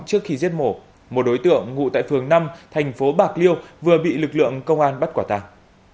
trước khi giết mổ một đối tượng ngụ tại phường năm thành phố bạc liêu vừa bị lực lượng công an bắt quả tàng